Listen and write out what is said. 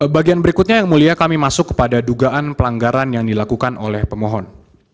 bagian berikutnya yang mulia kami masuk kepada dugaan pelanggaran yang dilakukan oleh pemohon